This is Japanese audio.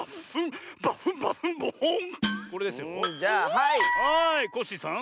はいコッシーさん。